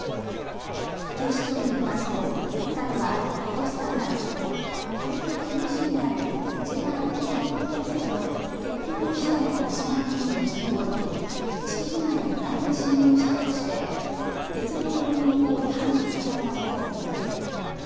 警視庁によりますと２人はことし３月、東京日野市にあるＪＲ中央本線の鉄橋の下の石垣によじ登り敷地内に無断で侵入したとして鉄道営業法違反の疑いが持たれています。